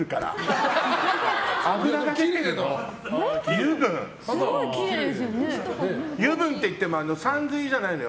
油分って言ってもさんずいじゃないのよ。